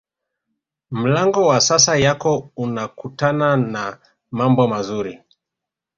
mlango wa sasa yako unakutana na mambo mazuri